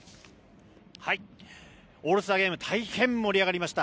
オールスターゲーム大変、盛り上がりました。